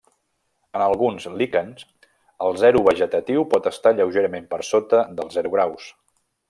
En alguns líquens el zero vegetatiu pot estar lleugerament per sota dels zero graus.